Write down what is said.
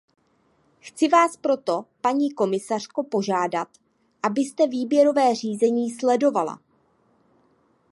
Chci vás proto, paní komisařko, požádat, abyste výběrová řízení sledovala.